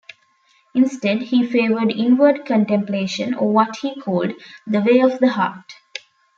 Instead, he favoured inward contemplation, or what he called "The Way of the Heart".